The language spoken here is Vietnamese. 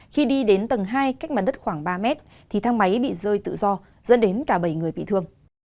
khi đi đến tầng hai cách mặt đất khoảng ba mét thì thang máy bị rơi tự do dẫn đến cả bảy người bị thương